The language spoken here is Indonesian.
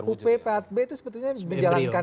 uppatb itu sebetulnya menjalankan